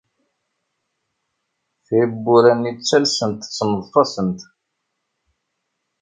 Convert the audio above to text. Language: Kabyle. Tiwwura-nni ttalsent ttneḍfasent.